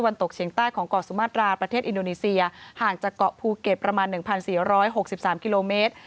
อาทิตย์มาตราประเทศอินโดนีเซียห่างจากเกาะภูเก็ตประมาณ๑๔๖๓คิโลเมตร